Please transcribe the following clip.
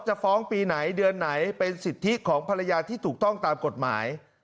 จะฟ้องปีไหนเดือนไหนเป็นสิทธิของภรรยาที่ถูกต้องตามกฎหมาย